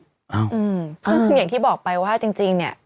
ซึ่งอย่างที่บอกไปว่าจริงเนี่ย